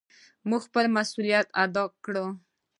مونږ خپل مسؤليت ادا کړ.